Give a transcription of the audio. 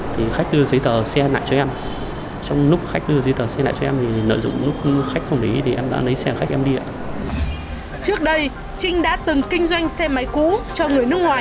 thì khách đưa giấy tờ xe lại cho em trong lúc khách đưa giấy tờ xe lại cho em thì nợ dụng lúc khách không lấy thì em đã lấy xe khách em đi ạ